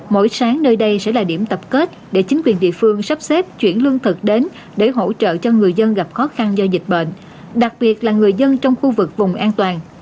mỗi sáng nơi đây sẽ là điểm tập kết để chính quyền địa phương sắp xếp chuyển lương thực đến để hỗ trợ cho người dân gặp khó khăn do dịch bệnh đặc biệt là người dân trong khu vực vùng an toàn